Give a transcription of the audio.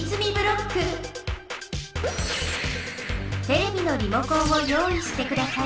テレビのリモコンを用いしてください。